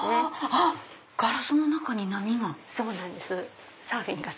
あっガラスの中に波が。